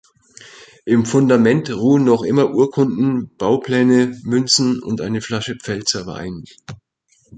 Im Fundament ruhen noch immer Urkunden, Baupläne, Münzen und eine Flasche Pfälzer Wein.